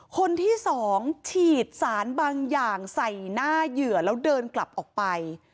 คนที่สองฉีดสารบางอย่างใส่หน้าเหยื่อแล้วเดินกลับออกไป